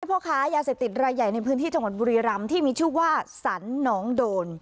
พ่อค้ายาเสพติดรายใหญ่ในพื้นที่จังหวัดบุรีรำที่มีชื่อว่าสันน้องโดน